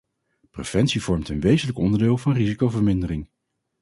Preventie vormt een wezenlijk onderdeel van risicovermindering.